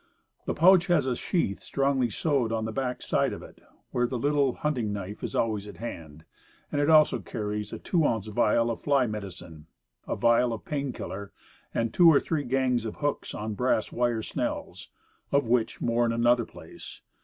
The pouch has a sheath strongly sewed on the back side of it, where the light hunting knife is always at hand, and it also carries a two ounce vial of fly medicine, a vial of "pain killer," and two or three gangs of hooks on brass wire snells of which, more in another place.